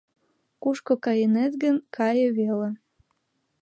— Кушко кайынет гын, кае веле...